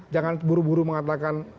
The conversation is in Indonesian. jangan buru buru mengatakan